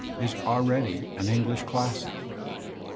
is already an English classic.